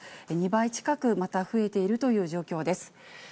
２倍近くまた増えているという状況です。